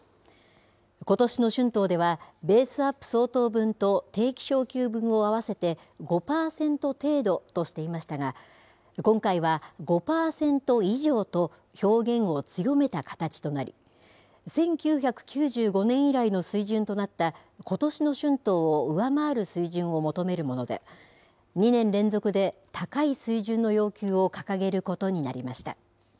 ことしの春闘では、ベースアップ相当分と定期昇給分を合わせて５％程度としていましたが、今回は５％以上と、表現を強めた形となり、１９９５年以来の水準となったことしの春闘を上回る水準を求めるもので、２年連続で高い水準の要求を掲げることになりました。